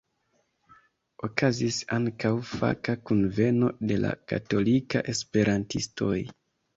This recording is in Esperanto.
Okazis ankaŭ faka kunveno de la katolikaj esperantistoj.